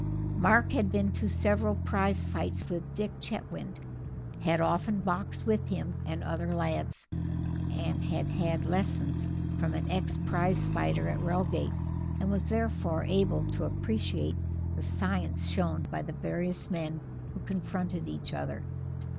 Mark had been to several prize fights with Dick Chetwynd, had often boxed with him and other lads, and had had lessons from an ex prize fighter at Reigate, and was therefore able to appreciate the science shown by the various men who confronted each other.